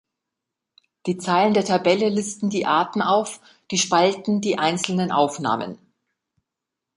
Die Zeilen der Tabelle listen die Arten auf, die Spalten die einzelnen Aufnahmen.